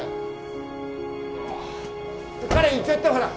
行っちゃってほら！